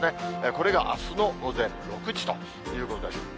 これがあすの午前６時ということです。